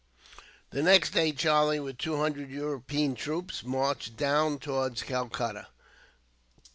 The next day Charlie, with two hundred European troops, marched down towards Calcutta.